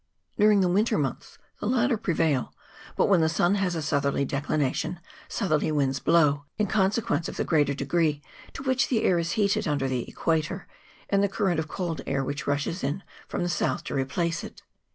During the winter months the latter prevail ; but when the sun has a southern declination southerly winds blow, in consequence of the greater degree to which the air is heated under the equator, and the current of cold air which rushes in from the south to replace it.